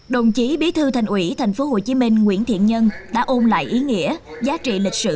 đồng chí bí thư thành ủy tp hcm nguyễn thiện nhân đã ôn lại ý nghĩa giá trị lịch sử